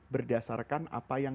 berdasarkan apa yang